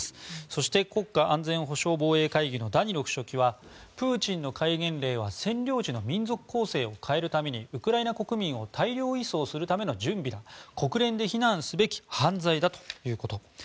そして、国家安全保障防衛会議のダニロフ書記はプーチンの戒厳令は占領地の民族構成を変えるためにウクライナ国民を大量移送するための準備だ国連で非難すべき犯罪だということです。